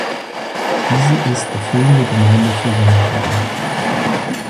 Diese ist erfüllende Gemeinde für Sonneborn.